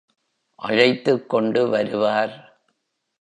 அழைத்துக் கொண்டு வருவார்.